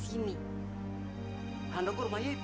si handoko sama mila ke rumahnya udah pindah di sini